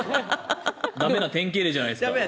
駄目な典型例じゃないですか。